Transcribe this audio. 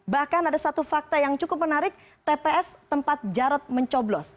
bahkan ada satu fakta yang cukup menarik tps tempat jarod mencoblos